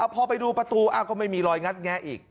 พอไปดูประตูก็ไม่มีรอยงัดแงะอีก